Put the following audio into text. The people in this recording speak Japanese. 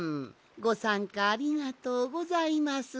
ごさんかありがとうございます。